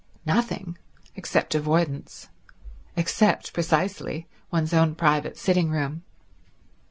Nothing, except avoidance; except, precisely, one's own private sitting room.